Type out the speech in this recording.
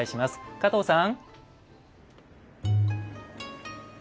加藤さん。